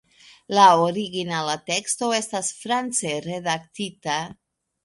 La originala teksto estas france redaktita.